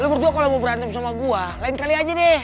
nomor dua kalau mau berantem sama gue lain kali aja deh